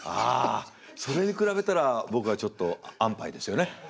ああそれに比べたら僕はちょっと安パイですよね。